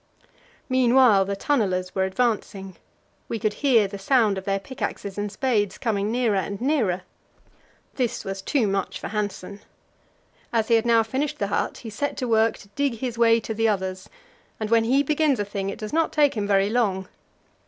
Meanwhile the tunnellers were advancing; we could hear the sound of their pickaxes and spades coming nearer and nearer. This was too much for Hanssen. As he had now finished the hut, he set to work to dig his way to the others; and when he begins a thing, it does not take him very long.